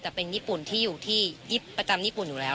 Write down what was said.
แต่เป็นญี่ปุ่นที่อยู่ที่ประจำญี่ปุ่นอยู่แล้ว